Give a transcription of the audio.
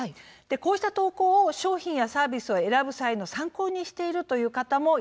こうした投稿を商品やサービスを選ぶ際の参考にしているという方もいらっしゃると思います。